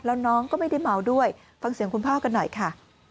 แล้วน้องก็ไม่ได้เมาด้วยฟังเสียงคุณพ่อกันหน่อยค่ะ